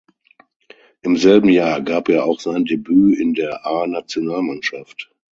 Im selben Jahr gab er auch sein Debüt in der A-Nationalmannschaft.